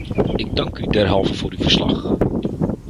Ik dank u derhalve voor uw verslag.